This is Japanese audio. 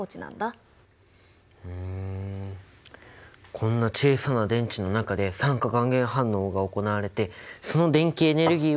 こんな小さな電池の中で酸化還元反応が行われてその電気エネルギーを取り出せるんだね。